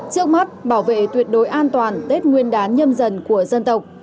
trước mắt bảo vệ tuyệt đối an toàn tết nguyên đán nhâm dần của dân tộc